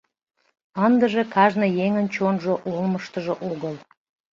Ындыже кажне еҥын чонжо олмыштыжо огыл.